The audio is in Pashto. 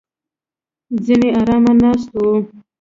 ځینې ارامه ناست وو.